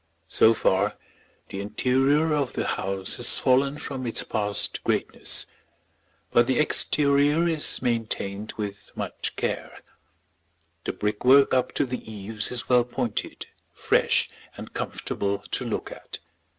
So far the interior of the house has fallen from its past greatness. But the exterior is maintained with much care. The brickwork up to the eaves is well pointed, fresh, and comfortable to look at.